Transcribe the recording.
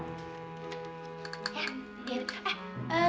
ya di hadirin